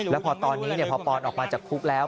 แล้วพอตอนนี้พอปอนออกมาจากคุกแล้ว